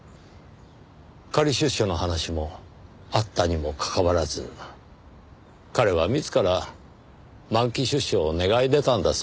仮出所の話もあったにもかかわらず彼は自ら満期出所を願い出たんだそうです。